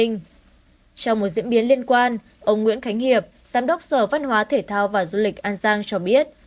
trong một diễn biến liên quan ông nguyễn khánh hiệp giám đốc sở văn hóa thể thao và du lịch an giang cho biết